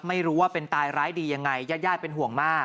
ไม่รู้ว่าเป็นตายร้ายดียังไงญาติญาติเป็นห่วงมาก